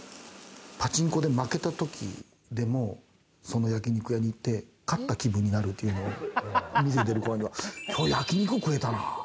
パチンコで負けたときでもその焼き肉屋に行って勝った気分になるというのを店出る頃には、今日焼き肉食えたな。